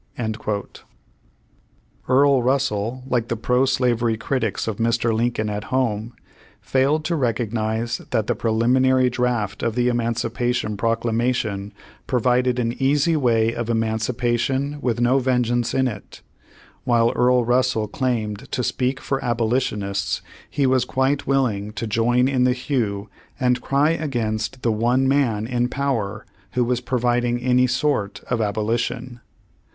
"^ Earl Russell, like the pro slavery critics of Mr. Lincoln at home, failed to recognize that the pre liminary draft of the Emancipation Proclamation provided an easy way of emancipation with no vengeance in it. While Earl Russel claimed to speak for abolitionists, he was quite willing to join in the hue and cry against the one man in power who was providing any sort of abolition.